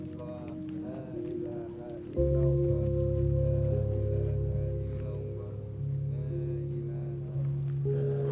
kalau masih nekat